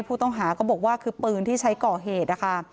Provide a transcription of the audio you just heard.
ผู้ต้องหาก็บอกว่าคือปืนที่ใช้ก่อเหตุนะคะ